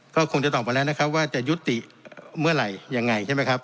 ก็คงจะตอบมาแล้วนะครับว่าจะยุติเมื่อไหร่ยังไงใช่ไหมครับ